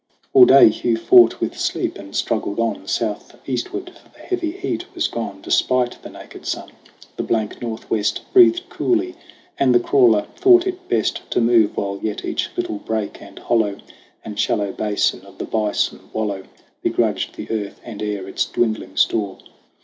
All day Hugh fought with sleep and struggled on Southeastward ; for the heavy heat was gone Despite the naked sun. The blank Northwest Breathed coolly ; and the crawler thought it best To move while yet each little break and hollow And shallow basin of the bison wallow Begrudged the earth and air its dwindling store.